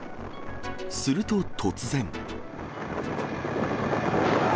すると、突然。